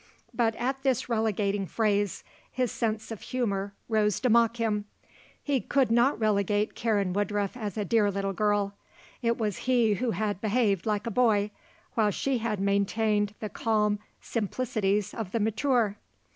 But at this relegating phrase his sense of humour rose to mock him. He could not relegate Karen Woodruff as a dear little girl. It was he who had behaved like a boy, while she had maintained the calm simplicities of the mature.